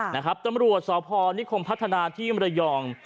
นะครับตำรวจสพนิคมพัฒนาที่มรยอง